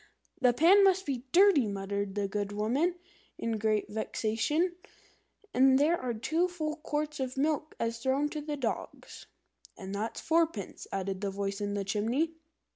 "The pan must be dirty," muttered the good woman, in great vexation; "and there are two full quarts of milk as good as thrown to the dogs." "And that's fourpence," added the voice in the chimney.